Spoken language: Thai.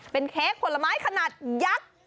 เป็นเค้กผลไม้ขนาดยักษ์